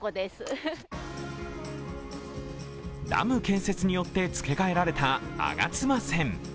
ダム建設によってつけ替えられた吾妻線。